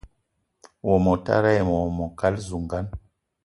Wo motara ayi wo mokal zugan